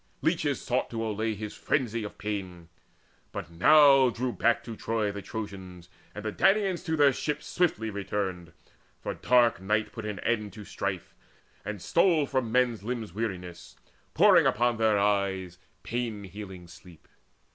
Leeches sought to allay His frenzy of pain. But now drew back to Troy The Trojans, and the Danaans to their ships Swiftly returned, for dark night put an end To strife, and stole from men's limbs weariness, Pouring upon their eyes pain healing sleep.